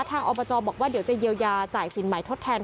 อบจบอกว่าเดี๋ยวจะเยียวยาจ่ายสินใหม่ทดแทน